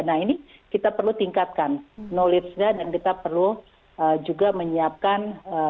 nah ini kita perlu tingkatkan knowledge nya dan kita perlu juga menyiapkan